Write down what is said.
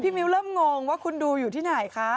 มิ้วเริ่มงงว่าคุณดูอยู่ที่ไหนคะ